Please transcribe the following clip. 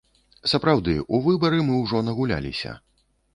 Сапраўды, у выбары мы ўжо нагуляліся.